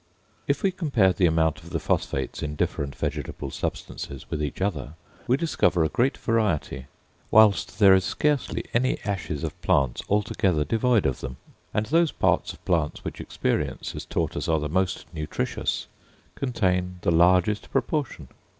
If we compare the amount of the phosphates in different vegetable substances with each other, we discover a great variety, whilst there is scarcely any ashes of plants altogether devoid of them, and those parts of plants which experience has taught us are the most nutritious, contain the largest proportion.